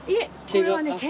これは毛。